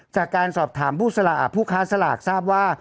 จากการสอบถามผู้ค้าสลากทราบว่า